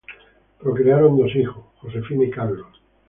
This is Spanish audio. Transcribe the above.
Procrearon dos hijos: Josefina y Carlos.